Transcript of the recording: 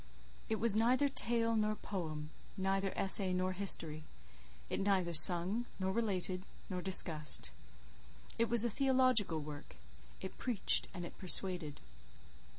It was neither tale nor poem, neither essay nor history; it neither sung, nor related, not discussed. It was a theological work; it preached and it persuaded.